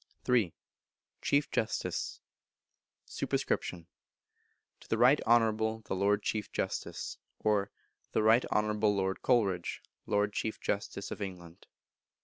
iii. Chief Justice. Sup. To the Right Honourable the Lord Chief Justice; or, the Right Honourable Lord Coleridge, Lord Chief Justice of England.